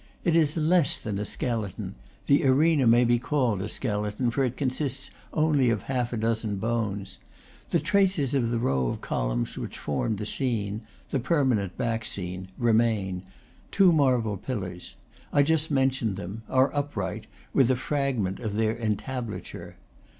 It is less than a skeleton, the arena may be called a skeleton; for it consists only of half a dozen bones. The traces of the row of columns which formed the scene the permanent back scene remain; two marble pillars I just mentioned them are upright, with a fragment of their entablature.